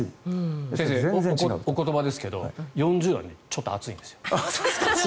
お言葉ですけど４０度はちょっと熱いんですよ。